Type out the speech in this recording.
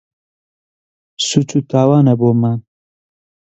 سووچ و تاوانە بۆمان